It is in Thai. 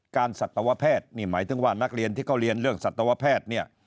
สัตวแพทย์นี่หมายถึงว่านักเรียนที่เขาเรียนเรื่องสัตวแพทย์เนี่ย